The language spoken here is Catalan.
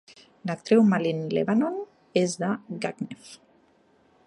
L'actriu Malin Levanon és de Gagnef.